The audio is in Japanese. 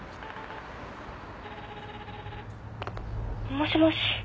もしもし。